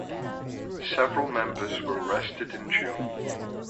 Several members were arrested in June.